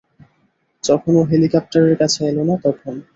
যখন ও হেলিকপ্টারের কাছে এলো না, তখন।